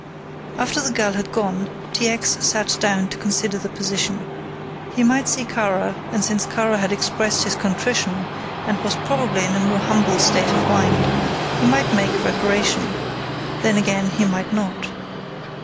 After the girl had gone, T. X. sat down to consider the position. He might see Kara and since Kara had expressed his contrition and was probably in a more humble state of mind, he might make reparation. Then again he might not.